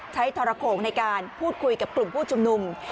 ทรโขงในการพูดคุยกับกลุ่มผู้ชุมนุม